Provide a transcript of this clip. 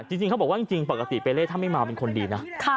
จริงเขาบอกว่าจริงปกติเปเล่ถ้าไม่เมาเป็นคนดีนะ